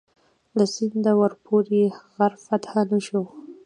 له سینده ورپورې غر فتح نه شو.